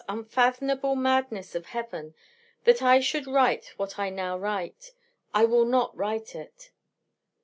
Unfathomable madness of Heaven! that ever I should write what now I write! I will not write it....